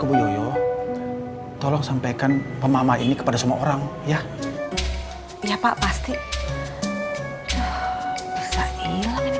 bu yoyo tolong sampaikan pemama ini kepada semua orang ya ya pak pasti bisa hilang